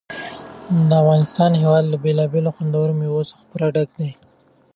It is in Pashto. د افغانستان هېواد له بېلابېلو او خوندورو مېوو څخه پوره ډک دی.